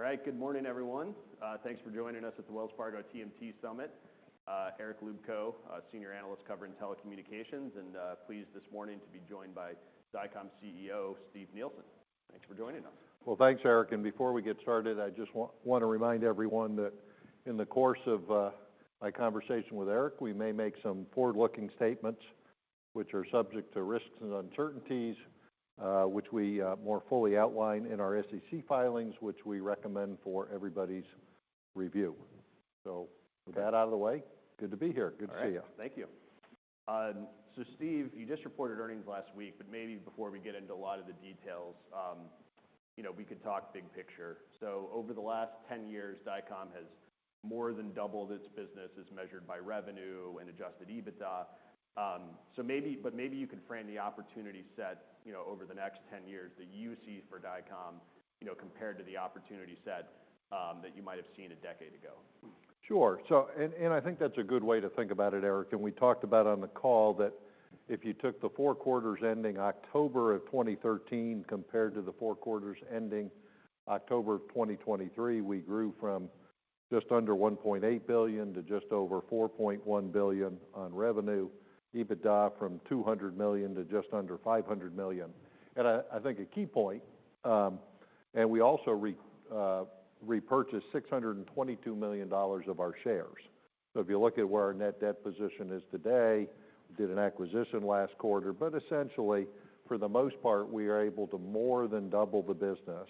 All right. Good morning, everyone. Thanks for joining us at the Wells Fargo TMT Summit. Eric Luebchow, a senior analyst covering telecommunications, and pleased this morning to be joined by Dycom CEO, Steve Nielsen. Thanks for joining us. Well, thanks, Eric, and before we get started, I just want to remind everyone that in the course of my conversation with Eric, we may make some forward-looking statements, which are subject to risks and uncertainties, which we more fully outline in our SEC filings, which we recommend for everybody's review. So with that out of the way, good to be here. Good to see you. All right. Thank you. So Steve, you just reported earnings last week, but maybe before we get into a lot of the detail we could talk big picture. So over the last 10 years, Dycom has more than doubled its business as measured by revenue and adjusted EBITDA. So maybe, but maybe you could frame the opportunity set, you know, over the next 10 years that you see for Dycom compared to the opportunity set that you might have seen a decade ago. Sure. So, and I think that's a good way to think about it, Eric. And we talked about on the call that if you took the four quarters ending October of 2013 compared to the four quarters ending October of 2023, we grew from just under $1.8 billion to just over $4.1 billion on revenue. EBITDA from $200 million to just under $500 million. And I think a key point, and we also repurchased $622 million of our shares. So if you look at where our net debt position is today, we did an acquisition last quarter. But essentially, for the most part, we are able to more than double the business,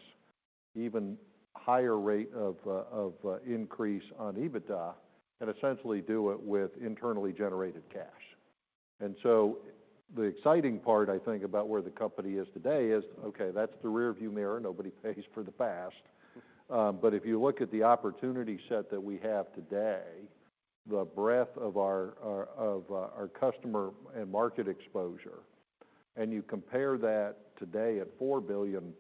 even higher rate of increase on EBITDA, and essentially do it with internally generated cash. And so the exciting part, I think, about where the company is today is, okay, that's the rearview mirror. Nobody pays for the past. But if you look at the opportunity set that we have today, the breadth of our customer and market exposure, and you compare that today at $4 billion+,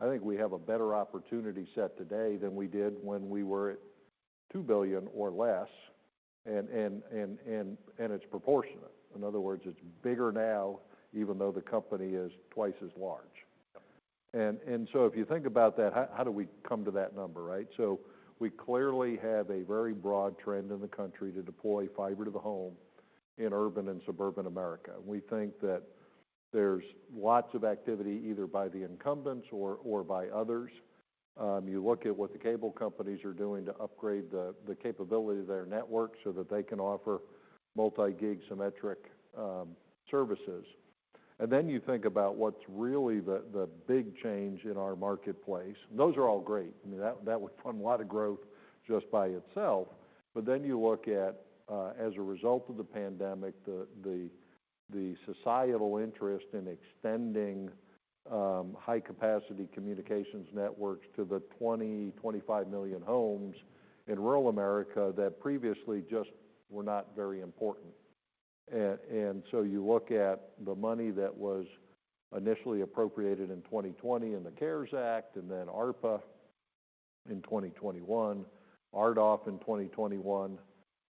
I think we have a better opportunity set today than we did when we were at $2 billion or less, and it's proportionate. In other words, it's bigger now, even though the company is twice as large. Yeah. And so if you think about that, how do we come to that number? Right? So we clearly have a very broad trend in the country to deploy Fiber to the home in urban and suburban America. We think that there's lots of activity, either by the incumbents or by others. You look at what the cable companies are doing to upgrade the capability of their network so that they can offer multi-gig symmetric services. And then you think about what's really the big change in our marketplace. Those are all great. I mean, that would fund a lot of growth just by itself. But then you look at, as a result of the pandemic, the societal interest in extending high-capacity communications networks to the 20 million-25 million homes in rural America that previously just were not very important. And so you look at the money that was initially appropriated in 2020 in the CARES Act and then ARPA in 2021, RDOF in 2021,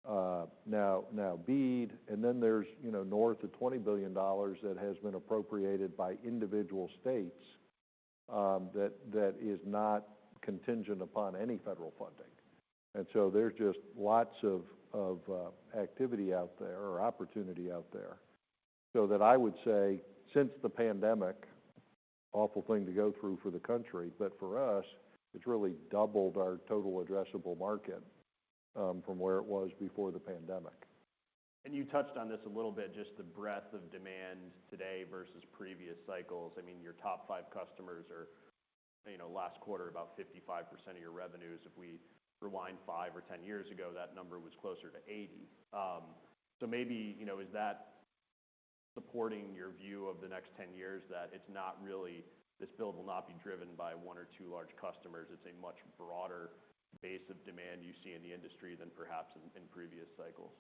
now BEAD, and then there's north of $20 billion that has been appropriated by individual states, that is not contingent upon any federal funding. And so there's just lots of activity out there or opportunity out there. So that I would say, since the pandemic, awful thing to go through for the country, but for us, it's really doubled our total addressable market from where it was before the pandemic. You touched on this a little bit, just the breadth of demand today versus previous cycles. I mean, your top five customers are last quarter, about 55% of your revenues. If we rewind 5 or 10 years ago, that number was closer to 80%. So maybe is that supporting your view of the next 10 years, that it's not really-- this build will not be driven by one or two large customers? It's a much broader base of demand you see in the industry than perhaps in, in previous cycles.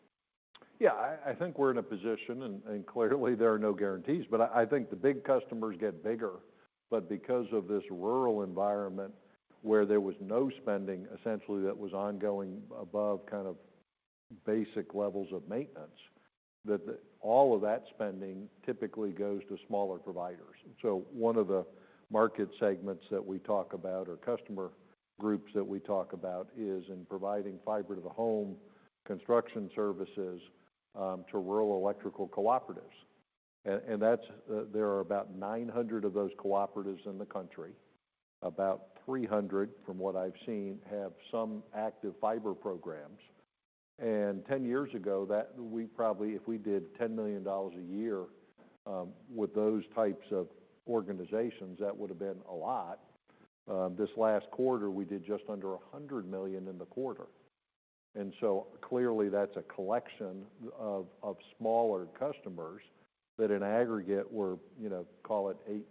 Yeah, I think we're in a position, and clearly there are no guarantees, but I think the big customers get bigger. But because of this rural environment where there was no spending, essentially, that was ongoing above kind of basic levels of maintenance, that all of that spending typically goes to smaller providers. So one of the market segments that we talk about, or customer groups that we talk about, is in providing fiber to the home construction services to rural electric cooperatives. And that's there are about 900 of those cooperatives in the country. About 300, from what I've seen, have some active fiber programs. And 10 years ago, that we probably, if we did $10 million a year with those types of organizations, that would have been a lot. This last quarter, we did just under $100 million in the quarter. And so clearly that's a collection of smaller customers that in aggregate were, you know, call it 8%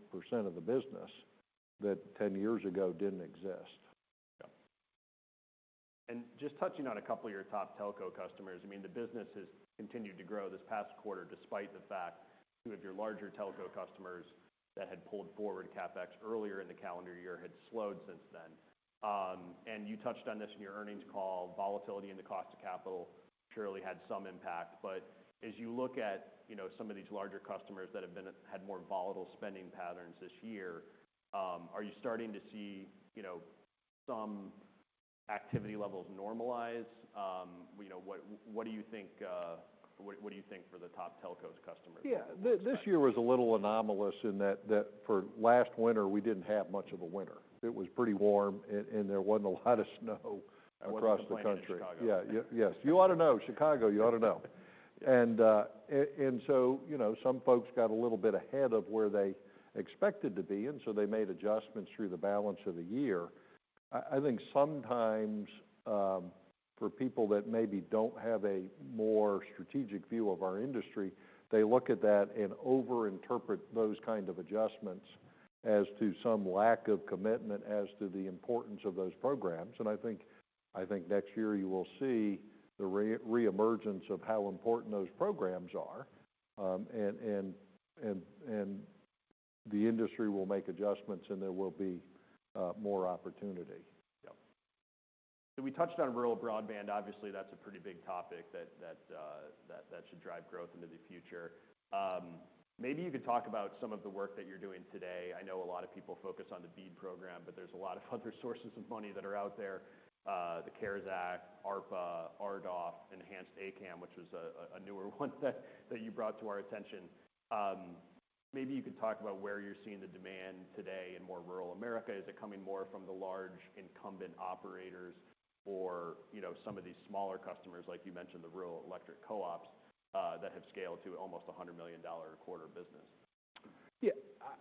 of the business, that 10 years ago didn't exist. Yeah. And just touching on a couple of your top telco customers, I mean, the business has continued to grow this past quarter, despite the fact two of your larger telco customers that had pulled forward CapEx earlier in the calendar year had slowed since then. You touched on this in your earnings call. Volatility in the cost of capital surely had some impact. But as you look at, you know, some of these larger customers that have had more volatile spending patterns this year, are you starting to see some activity levels normalize, you know, what do you think for the top telco customers? Yeah, this year was a little anomalous in that for last winter, we didn't have much of a winter. It was pretty warm, and there wasn't a lot of snow across the country. In Chicago. Yeah. Yes, you ought to know. Chicago, you ought to know. And so, you know, some folks got a little bit ahead of where they expected to be, and so they made adjustments through the balance of the year. I think sometimes, for people that maybe don't have a more strategic view of our industry, they look at that and over-interpret those kind of adjustments as to some lack of commitment as to the importance of those programs. I think next year you will see the reemergence of how important those programs are. The industry will make adjustments, and there will be more opportunity. Yep. So we touched on rural broadband. Obviously, that's a pretty big topic that should drive growth into the future. Maybe you could talk about some of the work that you're doing today. I know a lot of people focus on the BEAD program, but there's a lot of other sources of money that are out there, the CARES Act, ARPA, RDOF, Enhanced A-CAM, which is a newer one that you brought to our attention. Maybe you could talk about where you're seeing the demand today in more rural America. Is it coming more from the large incumbent operators or, you know, some of these smaller customers, like you mentioned, the rural electric co-ops, that have scaled to almost $100 million a quarter business? Yeah.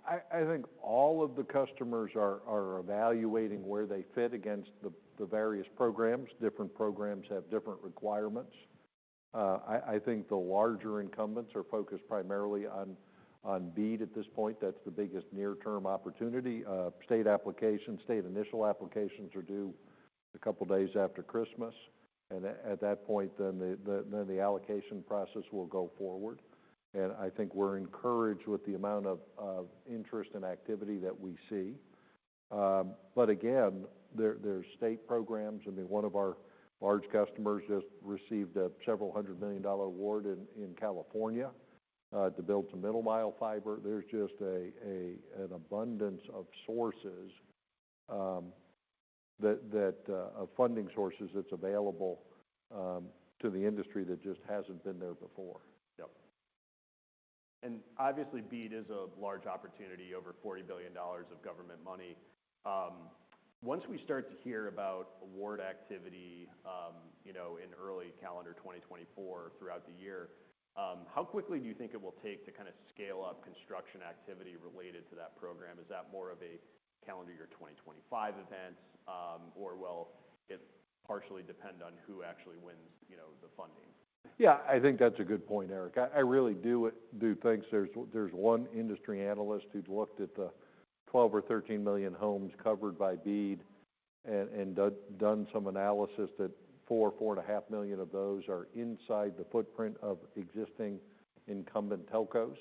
I think all of the customers are evaluating where they fit against the various programs. Different programs have different requirements. I think the larger incumbents are focused primarily on BEAD at this point. That's the biggest near-term opportunity. State initial applications are due a couple of days after Christmas, and at that point, the allocation process will go forward. And I think we're encouraged with the amount of interest and activity that we see. But again, there are state programs, and one of our large customers just received a $several hundred million award in California to build some middle-mile fiber. There's just an abundance of funding sources that's available to the industry that just hasn't been there before. Yep. Obviously, BEAD is a large opportunity, over $40 billion of government money. Once we start to hear about award activity, you know, in early calendar 2024 throughout the year, how quickly do you think it will take to kind of scale up construction activity related to that program? Is that more of a calendar year 2025 event, or will it partially depend on who actually wins, you know, the funding? Yeah, I think that's a good point, Eric. I really do think there's one industry analyst who's looked at the 12 or 13 million homes covered by BEAD and done some analysis that 4.5 million of those are inside the footprint of existing incumbent telcos.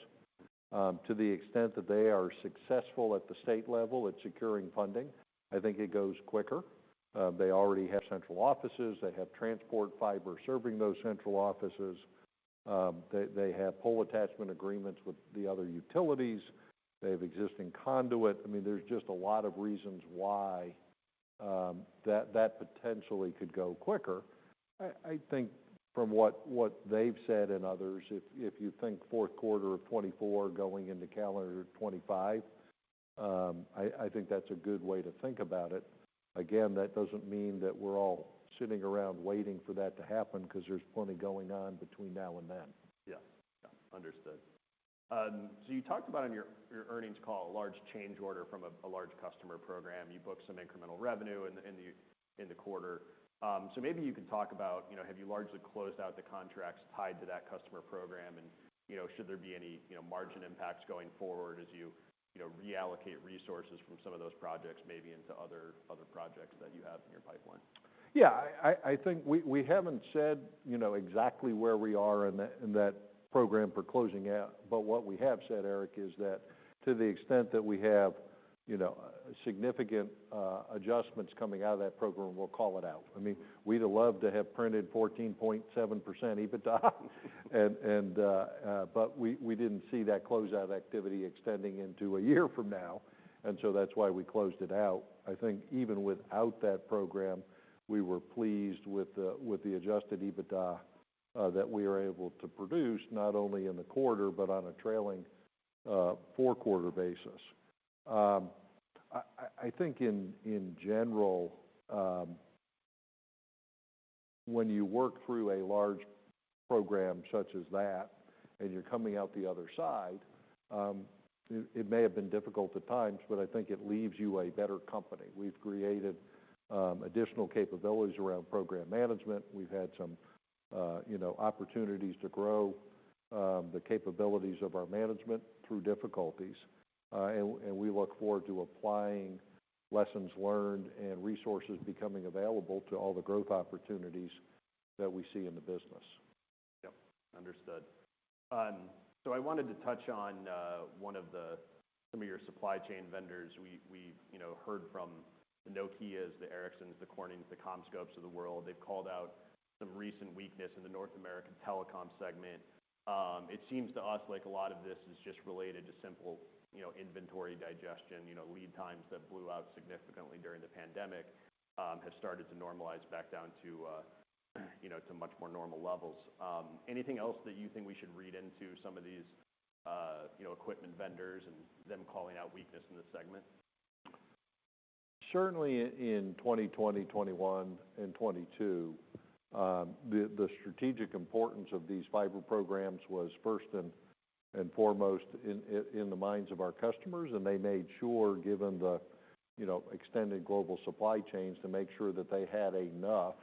To the extent that they are successful at the state level at securing funding, I think it goes quicker. They already have central offices, they have transport fiber serving those central offices. They have pole attachment agreements with the other utilities. They have existing conduit. There's just a lot of reasons why that potentially could go quicker. I think from what they've said and others, if you think fourth quarter of 2024 going into calendar 2025, I think that's a good way to think about it. Again, that doesn't mean that we're all sitting around waiting for that to happen because there's plenty going on between now and then. Yeah. Yeah. Understood. So you talked about in your earnings call, a large change order from a large customer program. You booked some incremental revenue in the quarter. So maybe you could talk about have you largely closed out the contracts tied to that customer program and, you know, should there be any, you know, margin impacts going forward as you, you know, reallocate resources from some of those projects, maybe into other projects that you have in your pipeline? Yeah, I think we haven't said, you know, exactly where we are in that program for closing out, but what we have said, Eric, is that to the extent that we have, you know, significant adjustments coming out of that program, we'll call it out. I mean, we'd love to have printed 14.7% EBITDA, and but we didn't see that closeout activity extending into a year from now, and so that's why we closed it out. I think even without that program, we were pleased with the adjusted EBITDA that we were able to produce, not only in the quarter, but on a trailing four-quarter basis. I think in general, when you work through a large program such as that and you're coming out the other side, it may have been difficult at times, but I think it leaves you a better company. We've created additional capabilities around program management. We've had some, you know, opportunities to grow the capabilities of our management through difficulties. And we look forward to applying lessons learned and resources becoming available to all the growth opportunities that we see in the business. Yep, understood. So I wanted to touch on one of the some of your supply chain vendors. We've, you know, heard from the Nokias, the Ericssons, the Cornings, the CommScopes of the world. They've called out some recent weakness in the North American telecom segment. It seems to us like a lot of this is just related to simple, you know, inventory digestion. You know, lead times that blew out significantly during the pandemic have started to normalize back down to much more normal levels. Anything else that you think we should read into some of these, you know, equipment vendors and them calling out weakness in this segment? Certainly in 2020, 2021, and 2022, the strategic importance of these fiber programs was first and foremost in the minds of our customers, and they made sure, given the, you know, extended global supply chains, to make sure that they had enough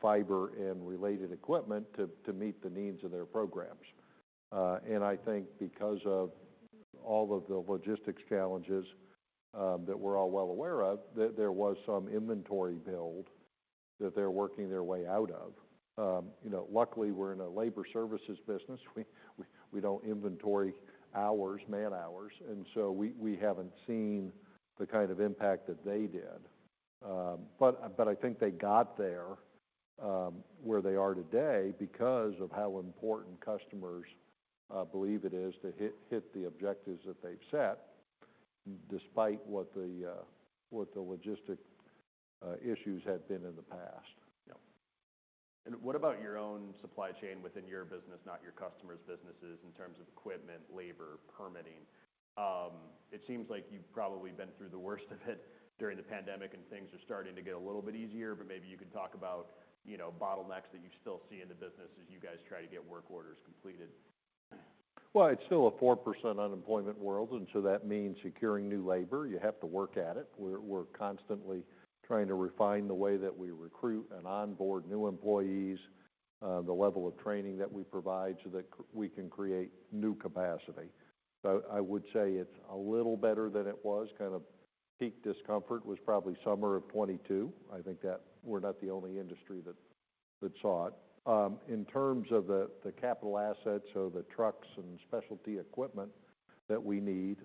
fiber and related equipment to meet the needs of their programs. And I think because of all of the logistics challenges that we're all well aware of, that there was some inventory build that they're working their way out of. You know, luckily, we're in a labor services business. We don't inventory hours, man-hours, and so we haven't seen the kind of impact that they did. But I think they got there, where they are today, because of how important customers believe it is to hit the objectives that they've set, despite what the logistical issues had been in the past. Yep. And what about your own supply chain within your business, not your customers' businesses, in terms of equipment, labor, permitting? It seems like you've probably been through the worst of it during the pandemic, and things are starting to get a little bit easier, but maybe you could talk about bottlenecks that you still see in the business as you guys try to get work orders completed. Well, it's still a 4% unemployment world, and so that means securing new labor, you have to work at it. We're constantly trying to refine the way that we recruit and onboard new employees, the level of training that we provide so that we can create new capacity. So I would say it's a little better than it was. Kind of peak discomfort was probably summer of 2022. I think that we're not the only industry that saw it. In terms of the capital assets or the trucks and specialty equipment that we need,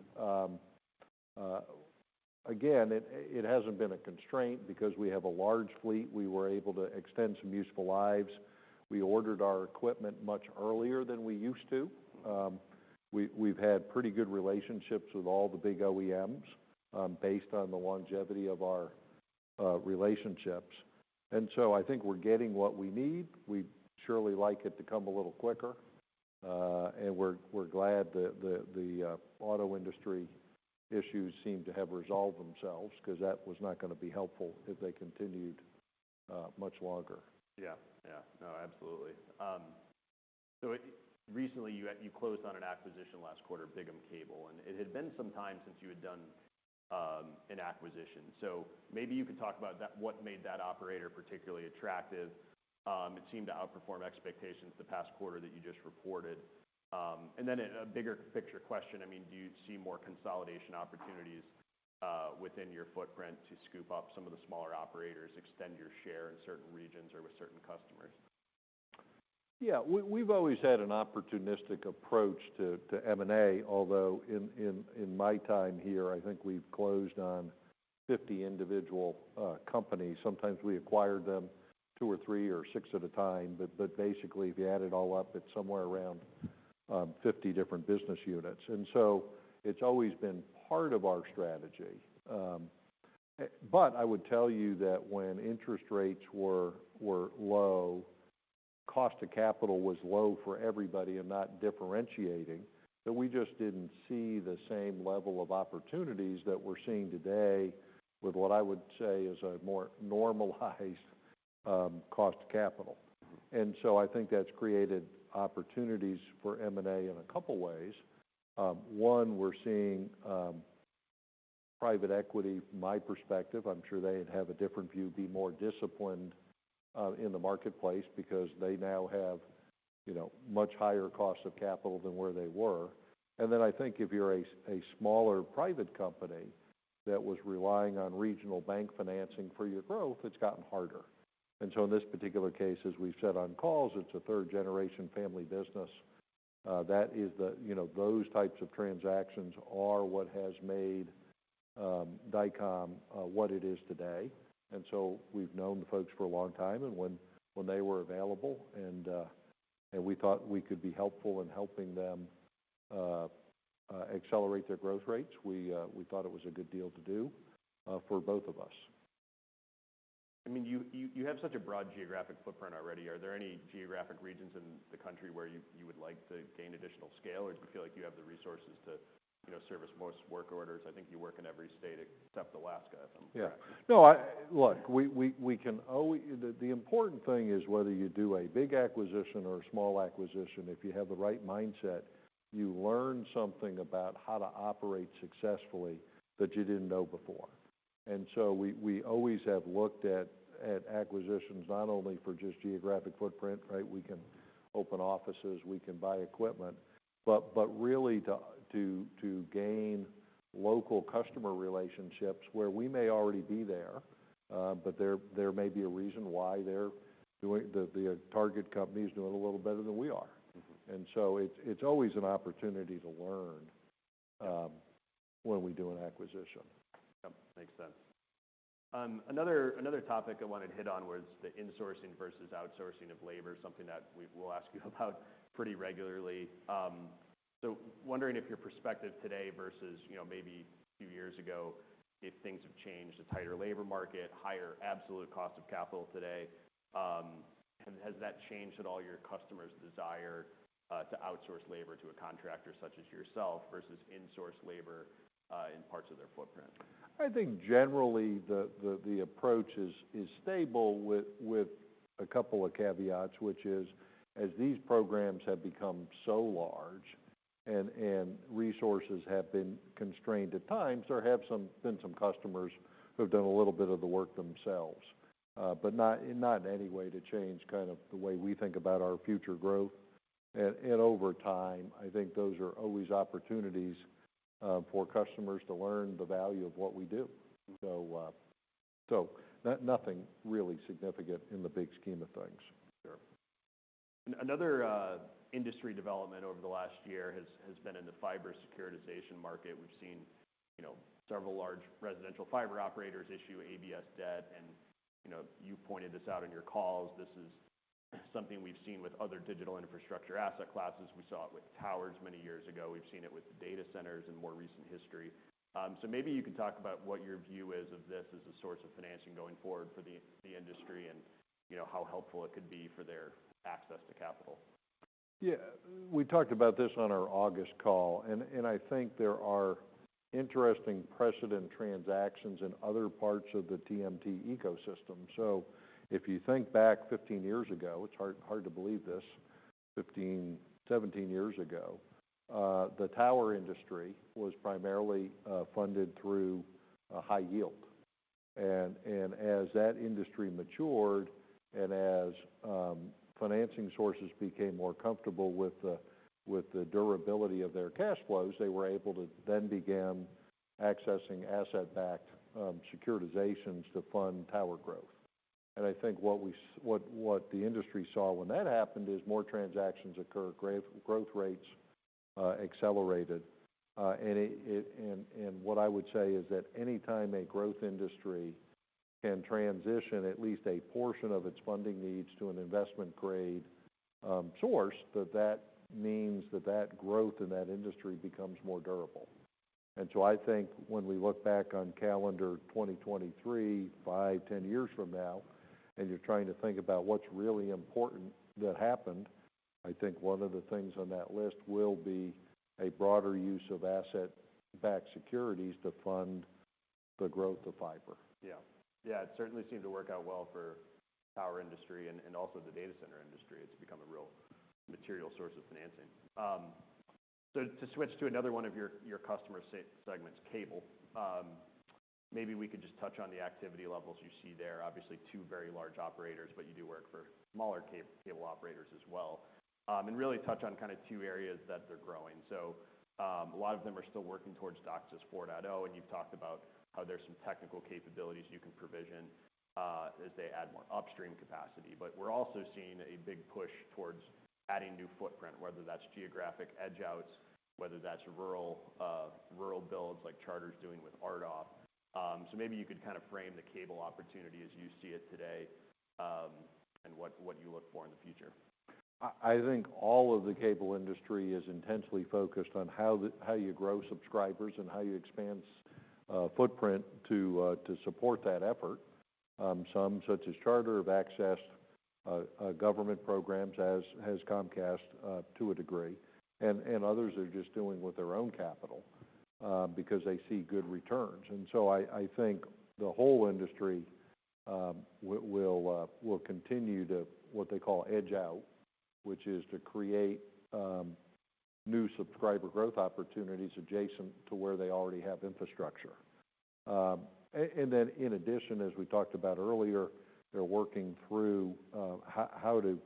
again, it hasn't been a constraint because we have a large fleet. We were able to extend some useful lives. We ordered our equipment much earlier than we used to. We've had pretty good relationships with all the big OEMs, based on the longevity of our relationships. So I think we're getting what we need. We'd surely like it to come a little quicker, and we're glad that the auto industry issues seem to have resolved themselves, 'cause that was not gonna be helpful if they continued much longer. Yeah. Yeah. No, absolutely. So recently, you, you closed on an acquisition last quarter, Bigham Cable, and it had been some time since you had done an acquisition. So maybe you could talk about that, what made that operator particularly attractive? It seemed to outperform expectations the past quarter that you just reported. And then a bigger picture question, I mean, do you see more consolidation opportunities within your footprint to scoop up some of the smaller operators, extend your share in certain regions or with certain customers? Yeah, we've always had an opportunistic approach to M&A, although in my time here, I think we've closed on 50 individual companies. Sometimes we acquired them 2 or 3 or 6 at a time, but basically, if you add it all up, it's somewhere around 50 different business units, and so it's always been part of our strategy. But I would tell you that when interest rates were low, cost of capital was low for everybody and not differentiating, that we just didn't see the same level of opportunities that we're seeing today with what I would say is a more normalized cost of capital. And so I think that's created opportunities for M&A in a couple ways. 1, we're seeing private equity, from my perspective, I'm sure they'd have a different view, be more disciplined in the marketplace because they now have, you know, much higher costs of capital than where they were. And then I think if you're a smaller private company that was relying on regional bank financing for your growth, it's gotten harder. And so in this particular case, as we've said on calls, it's a third-generation family business, that is the, you know, those types of transactions are what has made Dycom what it is today. And so we've known the folks for a long time, and when they were available and we thought we could be helpful in helping them accelerate their growth rates, we thought it was a good deal to do for both of us. I mean, you have such a broad geographic footprint already. Are there any geographic regions in the country where you would like to gain additional scale, or do you feel like you have the resources to service most work orders? I think you work in every state except Alaska, if I'm correct. Yeah. No, look, we can – the important thing is whether you do a big acquisition or a small acquisition, if you have the right mindset, you learn something about how to operate successfully that you didn't know before. And so we always have looked at acquisitions, not only for just geographic footprint, right? We can open offices, we can buy equipment, but really to gain local customer relationships where we may already be there, but there may be a reason why they're doing... The target company is doing a little better than we are. Mm-hmm. It's always an opportunity to learn when we do an acquisition. Yep, makes sense.... Another topic I wanted to hit on was the insourcing versus outsourcing of labor, something that we will ask you about pretty regularly. So wondering if your perspective today versus, you know, maybe a few years ago, if things have changed, a tighter labor market, higher absolute cost of capital today, has that changed at all your customers' desire to outsource labor to a contractor such as yourself, versus insource labor in parts of their footprint? I think generally, the approach is stable with a couple of caveats, which is, as these programs have become so large and resources have been constrained at times, there have been some customers who've done a little bit of the work themselves. But not in any way to change kind of the way we think about our future growth. And over time, I think those are always opportunities for customers to learn the value of what we do. So nothing really significant in the big scheme of things. Sure. Another industry development over the last year has been in the fiber securitization market. We've seen, you know, several large residential fiber operators issue ABS debt, and, you know, you pointed this out on your calls. This is something we've seen with other digital infrastructure asset classes. We saw it with towers many years ago. We've seen it with data centers in more recent history. So maybe you could talk about what your view is of this as a source of financing going forward for the industry and, you know, how helpful it could be for their access to capital. Yeah. We talked about this on our August call, and I think there are interesting precedent transactions in other parts of the TMT ecosystem. So if you think back 15 years ago, it's hard to believe this, 15, 17 years ago, the tower industry was primarily funded through high yield. And as that industry matured and as financing sources became more comfortable with the durability of their cash flows, they were able to then begin accessing asset-backed securitizations to fund tower growth. And I think what the industry saw when that happened is more transactions occur, greater growth rates accelerated. and what I would say is that anytime a growth industry can transition at least a portion of its funding needs to an investment grade source, that that means that that growth in that industry becomes more durable. And so I think when we look back on calendar 2023, 5-10 years from now, and you're trying to think about what's really important that happened, I think one of the things on that list will be a broader use of asset-backed securities to fund the growth of fiber. Yeah. Yeah, it certainly seemed to work out well for tower industry and also the data center industry. It's become a real material source of financing. So to switch to another one of your customer segments, cable, maybe we could just touch on the activity levels you see there. Obviously, two very large operators, but you do work for smaller cable operators as well. And really touch on kind of two areas that they're growing. So, a lot of them are still working towards DOCSIS 4.0, and you've talked about how there's some technical capabilities you can provision as they add more upstream capacity. But we're also seeing a big push towards adding new footprint, whether that's geographic edge outs, whether that's rural rural builds, like Charter's doing with RDOF. Maybe you could kind of frame the cable opportunity as you see it today, and what you look for in the future. I think all of the cable industry is intensely focused on how you grow subscribers and how you expand footprint to support that effort. Some, such as Charter, have accessed government programs, as has Comcast, to a degree, and others are just doing with their own capital because they see good returns. So I think the whole industry will continue to what they call edge out, which is to create new subscriber growth opportunities adjacent to where they already have infrastructure. And then in addition, as we talked about earlier, they're working through how to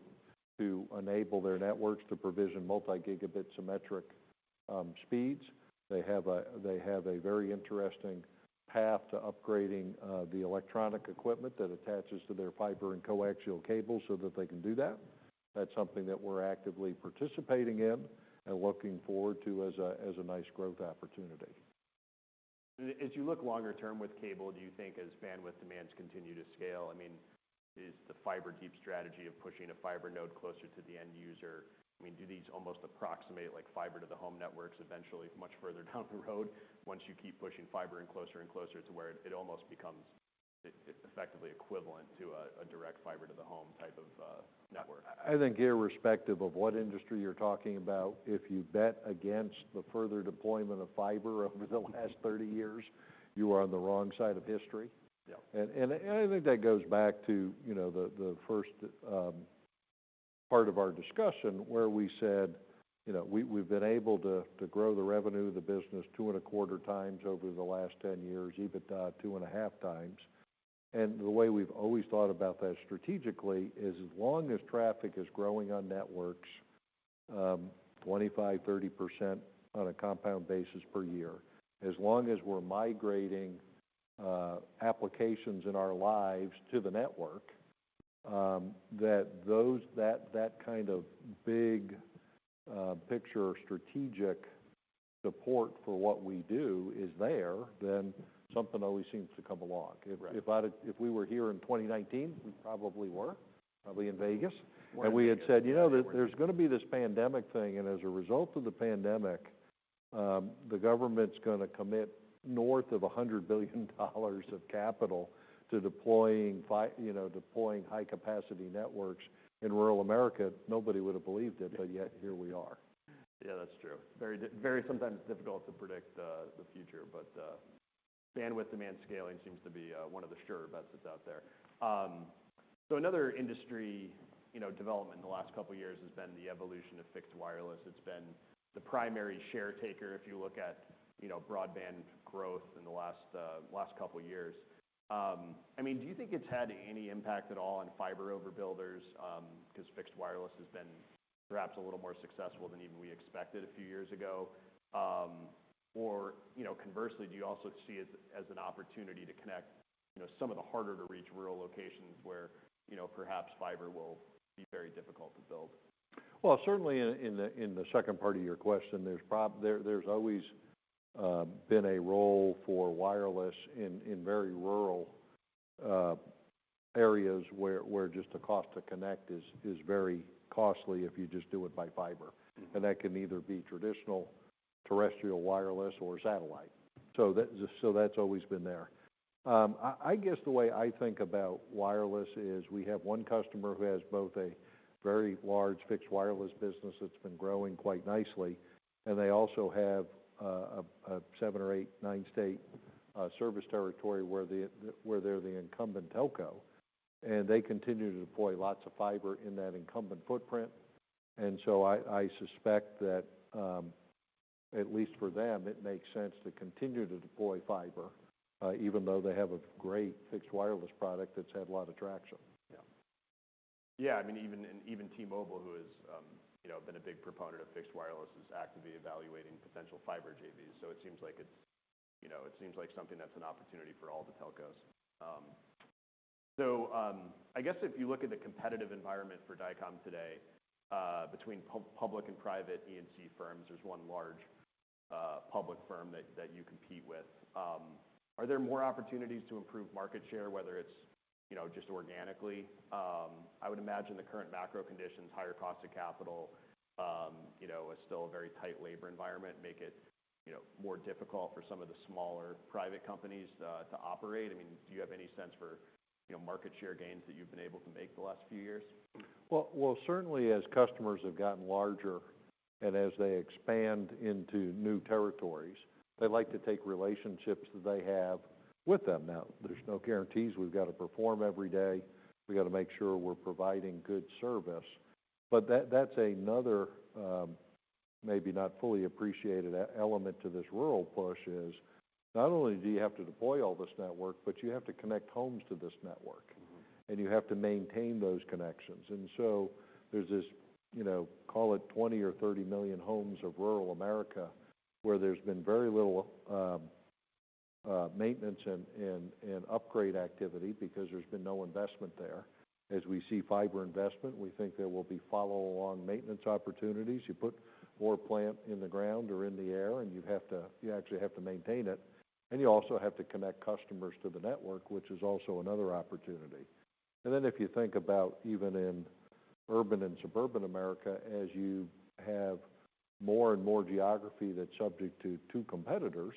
enable their networks to provision multi-gigabit symmetric speeds. They have a very interesting path to upgrading the electronic equipment that attaches to their fiber and coaxial cable so that they can do that. That's something that we're actively participating in and looking forward to as a nice growth opportunity. As you look longer term with cable, do you think as bandwidth demands continue to scale, I mean, is the fiber deep strategy of pushing a fiber node closer to the end user? I mean, do these almost approximate like fiber to the home networks eventually, much further down the road, once you keep pushing fiber in closer and closer to where it, it almost becomes, it's effectively equivalent to a, a direct fiber to the home type of network? I think irrespective of what industry you're talking about, if you bet against the further deployment of fiber over the last 30 years, you are on the wrong side of history. Yeah. I think that goes back to, you know, the first part of our discussion, where we said, you know, we've been able to grow the revenue of the business 2.25 times over the last 10 years, EBITDA 2.5 times. And the way we've always thought about that strategically is, as long as traffic is growing on networks 25%-30% on a compound basis per year, as long as we're migrating applications in our lives to the network, that kind of big picture or strategic support for what we do is there, then something always seems to come along. Right. If we were here in 2019, we probably were, probably in Vegas, and we had said: "You know, there, there's going to be this pandemic thing, and as a result of the pandemic, the government's going to commit north of $100 billion of capital to deploying, you know, deploying high capacity networks in rural America," nobody would have believed it, but yet here we are. Yeah, that's true. Very difficult, very sometimes difficult to predict the future, but bandwidth demand scaling seems to be one of the surer bets that's out there. So another industry, you know, development in the last couple of years has been the evolution of fixed wireless. It's been the primary share taker if you look at, you know, broadband growth in the last couple of years. I mean, do you think it's had any impact at all on fiber overbuilders? 'Cause fixed wireless has been perhaps a little more successful than even we expected a few years ago. Or, you know, conversely, do you also see it as an opportunity to connect, you know, some of the harder-to-reach rural locations where, you know, perhaps fiber will be very difficult to build? Well, certainly in the second part of your question, there's probably always been a role for wireless in very rural areas where just the cost to connect is very costly if you just do it by fiber. Mm-hmm. And that can either be traditional terrestrial, wireless, or satellite. So that's always been there. I guess the way I think about wireless is we have one customer who has both a very large fixed wireless business that's been growing quite nicely, and they also have a seven- or eight- or nine-state service territory where they're the incumbent telco, and they continue to deploy lots of fiber in that incumbent footprint. And so I suspect that, at least for them, it makes sense to continue to deploy fiber, even though they have a great fixed wireless product that's had a lot of traction. Yeah. Yeah, I mean, even, and even T-Mobile, who has, you know, been a big proponent of fixed wireless, is actively evaluating potential fiber JVs. So it seems like it's, you know, it seems like something that's an opportunity for all the telcos. So, I guess if you look at the competitive environment for Dycom today, between public and private ENC firms, there's one large public firm that you compete with. Are there more opportunities to improve market share, whether it's just organically? I would imagine the current macro conditions, higher cost of capital, you know, is still a very tight labor environment, make it, you know, more difficult for some of the smaller private companies to operate. I mean, do you have any sense for, you know, market share gains that you've been able to make the last few years? Well, certainly, as customers have gotten larger and as they expand into new territories, they like to take relationships that they have with them. Now, there's no guarantees. We've got to perform every day. We've got to make sure we're providing good service. But that, that's another, maybe not fully appreciated element to this rural push, is not only do you have to deploy all this network, but you have to connect homes to this network. Mm-hmm. And you have to maintain those connections. And so there's this, you know, call it 20 or 30 million homes of rural America, where there's been very little maintenance and upgrade activity because there's been no investment there. As we see fiber investment, we think there will be follow-along maintenance opportunities. You put more plant in the ground or in the air, and you have to, you actually have to maintain it, and you also have to connect customers to the network, which is also another opportunity. Then, if you think about even in urban and suburban America, as you have more and more geography that's subject to two competitors,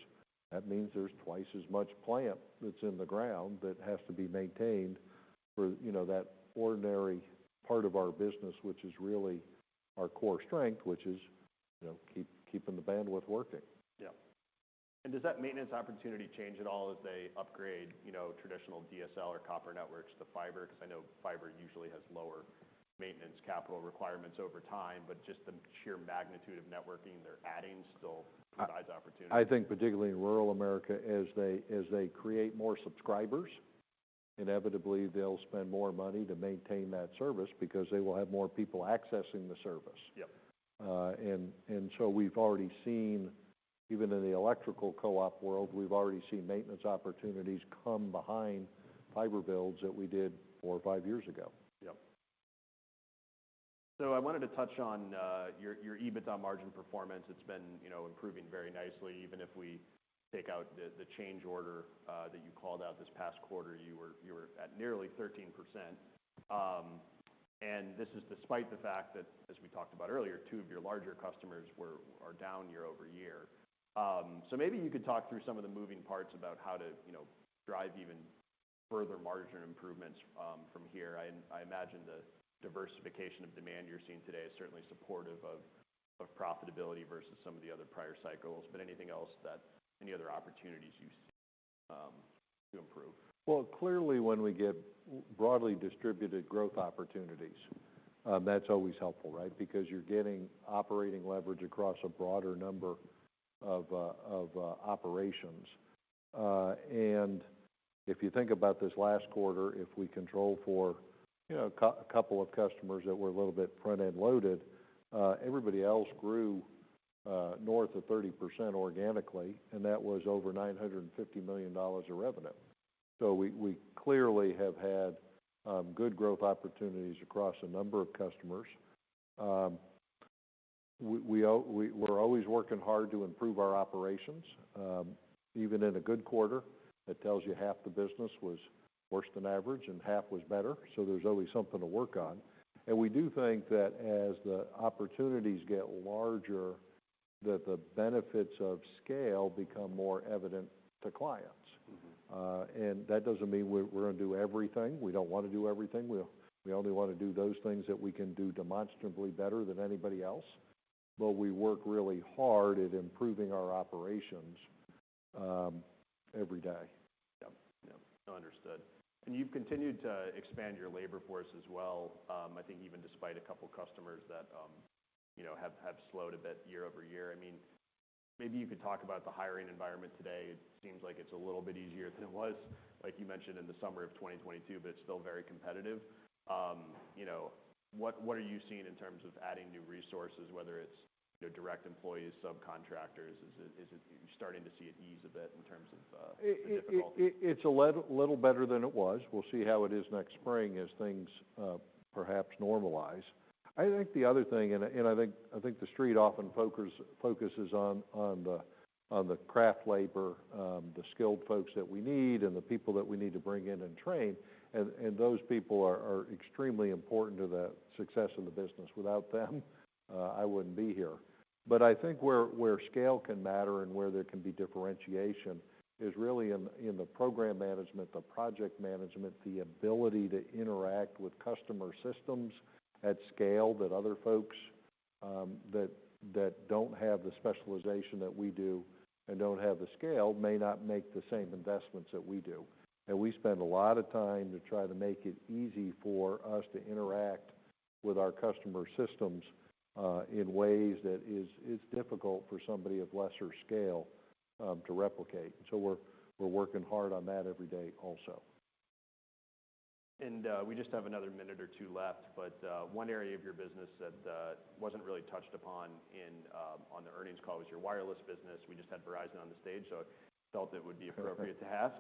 that means there's twice as much plant that's in the ground that has to be maintained for, you know, that ordinary part of our business, which is really our core strength, which is, you know, keeping the bandwidth working. Yeah. Does that maintenance opportunity change at all as they upgrade, you know, traditional DSL or copper networks to fiber? Because I know fiber usually has lower maintenance capital requirements over time, but just the sheer magnitude of networking they're adding still provides opportunity. I think particularly in rural America, as they, as they create more subscribers, inevitably they'll spend more money to maintain that service because they will have more people accessing the service. Yep. We've already seen, even in the electrical co-op world, maintenance opportunities come behind fiber builds that we did four or five years ago. Yep. So I wanted to touch on your EBITDA margin performance. It's been, you know, improving very nicely. Even if we take out the change order that you called out this past quarter, you were at nearly 13%. And this is despite the fact that, as we talked about earlier, two of your larger customers are down year-over-year. So maybe you could talk through some of the moving parts about how to, you know, drive even further margin improvements from here. I imagine the diversification of demand you're seeing today is certainly supportive of profitability versus some of the other prior cycles. But anything else that... Any other opportunities you see to improve? Well, clearly, when we get broadly distributed growth opportunities, that's always helpful, right? Because you're getting operating leverage across a broader number of operations. And if you think about this last quarter, if we control for, you know, a couple of customers that were a little bit front-end loaded, everybody else grew north of 30% organically, and that was over $950 million of revenue. So we clearly have had good growth opportunities across a number of customers. We're always working hard to improve our operations, even in a good quarter, that tells you half the business was worse than average and half was better, so there's always something to work on. We do think that as the opportunities get larger, that the benefits of scale become more evident to clients. Mm-hmm. That doesn't mean we're gonna do everything. We don't want to do everything. We only want to do those things that we can do demonstrably better than anybody else, but we work really hard at improving our operations every day. Yeah. Yeah, understood. And you've continued to expand your labor force as well, I think even despite a couple customers that, you know, have slowed a bit year-over-year. I mean, maybe you could talk about the hiring environment today. It seems like it's a little bit easier than it was, like you mentioned, in the summer of 2022, but it's still very competitive. You know, what are you seeing in terms of adding new resources, whether it's your direct employees, subcontractors? Are you starting to see it ease a bit in terms of the difficulty? It's a little better than it was. We'll see how it is next spring as things perhaps normalize. I think the other thing, and I think the street often focuses on the craft labor, the skilled folks that we need and the people that we need to bring in and train, and those people are extremely important to the success of the business. Without them, I wouldn't be here. But I think where scale can matter and where there can be differentiation is really in the program management, the project management, the ability to interact with customer systems at scale, that other folks that don't have the specialization that we do and don't have the scale may not make the same investments that we do. We spend a lot of time to try to make it easy for us to interact with our customer systems, in ways that is difficult for somebody of lesser scale, to replicate. We're working hard on that every day also. And, we just have another minute or two left, but, one area of your business that, wasn't really touched upon in, on the earnings call was your wireless business. We just had Verizon on the stage, so I felt it would be appropriate to ask.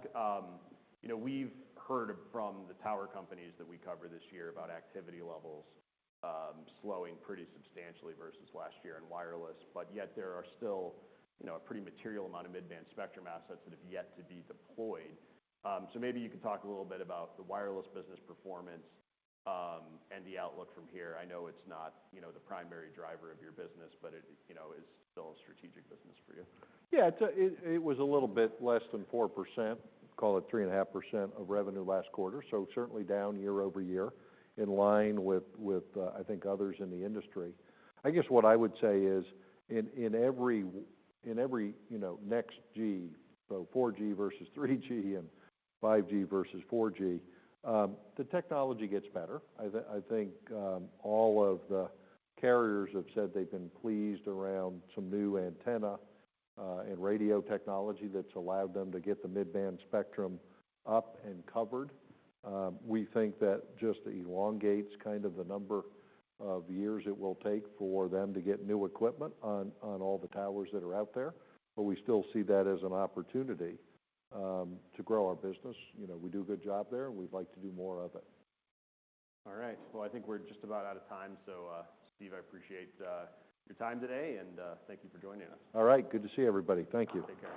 You know, we've heard from the tower companies that we cover this year, about activity levels, slowing pretty substantially versus last year in wireless, but yet there are still, you know, a pretty material amount of mid-band spectrum assets that have yet to be deployed. Maybe you could talk a little bit about the wireless business performance, and the outlook from here. I know it's not, you know, the primary driver of your business, but it, you know, is still a strategic business for you. Yeah, it was a little bit less than 4%, call it 3.5% of revenue last quarter. So certainly down year-over-year, in line with, I think others in the industry. I guess what I would say is, in every, you know, next G, so 4G versus 3G and 5G versus 4G, the technology gets better. I think all of the carriers have said they've been pleased around some new antenna and radio technology that's allowed them to get the mid-band spectrum up and covered. We think that just elongates kind of the number of years it will take for them to get new equipment on all the towers that are out there, but we still see that as an opportunity to grow our business. You know, we do a good job there, and we'd like to do more of it. All right. Well, I think we're just about out of time. So, Steve, I appreciate your time today, and thank you for joining us. All right. Good to see you, everybody. Thank you. Take care.